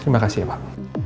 terima kasih ya pak